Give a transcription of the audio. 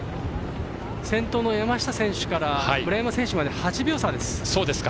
先頭の山下選手から村山選手まで８秒差です。